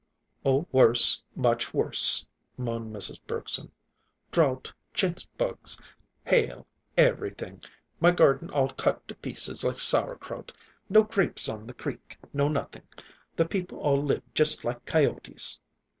"Oh, worse! Much worse," moaned Mrs. Bergson. "Drouth, chince bugs, hail, everything! My garden all cut to pieces like sauerkraut. No grapes on the creek, no nothing. The people all lived just like coyotes."